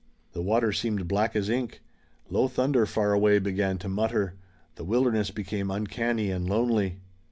The water seemed black as ink. Low thunder far away began to mutter. The wilderness became uncanny and lonely.